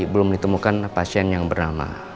belum ditemukan pasien yang bernama